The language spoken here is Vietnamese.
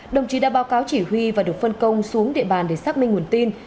đồng chí đã báo cáo chỉ huy và được phân công xuống địa bàn để xác minh nguồn tin